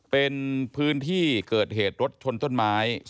เป็นพื้นที่เกิดเหตุรถชนต้นไม้